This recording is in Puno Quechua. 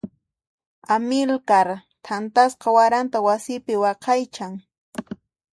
Amilcar thantasqa waranta wasipi waqaychan.